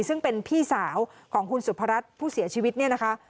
ซึ่งเป็นพี่สาวของคุณสุภรัฐผู้เสียชีวิตเนี่ยนะคะ